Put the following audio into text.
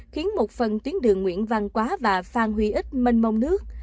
khiến một phần tuyến đường nguyễn văn quá và phan huy ích mênh mông nước